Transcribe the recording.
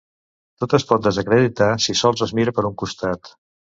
Tot es pot desacreditar si sols es mira per un costat.